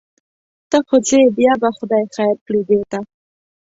ته خو ځې بیا به خدای خیر کړي دې ته.